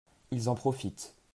Ils en profitent.